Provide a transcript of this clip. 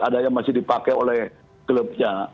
ada yang masih dipakai oleh klubnya